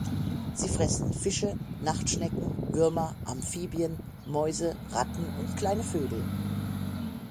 Sie fressen Fische, Nacktschnecken, Würmer, Amphibien, Mäuse, Ratten und kleine Vögel.